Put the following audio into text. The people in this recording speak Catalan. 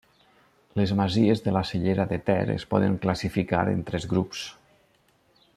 Les masies de la Cellera de Ter es poden classificar en tres grups.